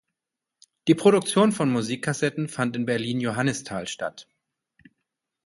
Die Produktion von Musik-Cassetten fand in Berlin-Johannisthal statt.